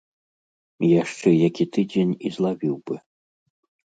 Яшчэ які тыдзень, і злавіў бы.